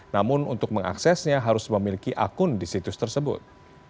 namun untuk mengaksesnya harus memiliki akun di situs tersebut